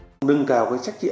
đừng gào với trách nhiệm